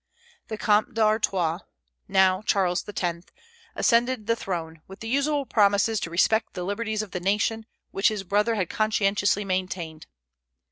The Comte d'Artois, now Charles X., ascended the throne, with the usual promises to respect the liberties of the nation, which his brother had conscientiously maintained.